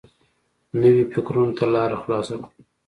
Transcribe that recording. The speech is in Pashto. نویو فکرونو ته لاره خلاصه کړو.